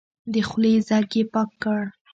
د خولې ځګ يې پاک کړ.